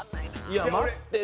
いや待って。